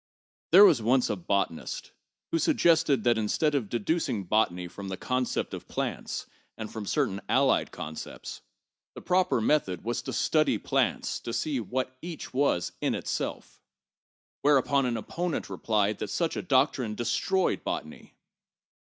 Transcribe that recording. ' There was once a botanist who suggested that instead of deducing botany from the concept of plants (and from certain allied concepts) the proper method was to study plants to see what each was in itself. Whereupon an opponent replied that such a doctrine destroyed botany.